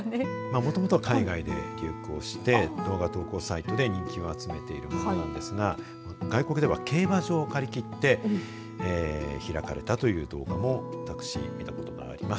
もともとは海外で流行して動画投稿サイトで人気を集めているということですが外国では競馬場を借り切って開かれたという動画も私、見たことがあります。